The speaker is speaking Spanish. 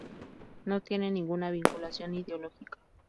No tiene ninguna vinculación ideológica.